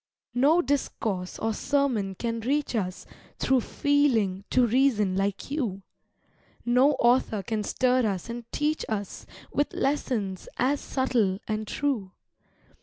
No discourse or sermon can reach us Through feeling to reason like you; No author can stir us and teach us With lessons as subtle and true.